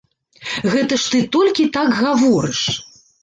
Гэта ж ты толькі так гаворыш.